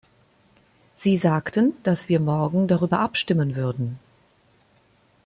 Sie sagten dass wir morgen darüber abstimmen würden.